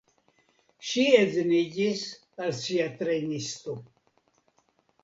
Ŝi edziniĝis al sia trejnisto.